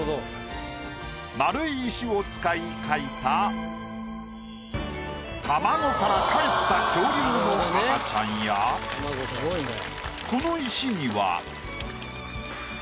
丸い石を使い描いた卵からかえった恐竜の赤ちゃんやこの石には。